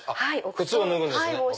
靴を脱ぐんですね。